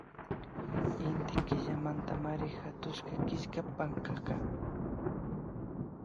Inti Killamantamari hatushka killka pankaka